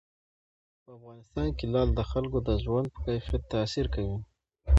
په افغانستان کې لعل د خلکو د ژوند په کیفیت تاثیر کوي.